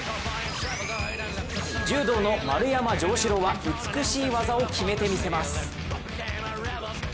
柔道の丸山城志郎は美しい技を決めてみせます。